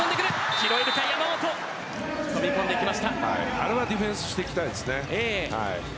あれはディフェンスしていきたいですね。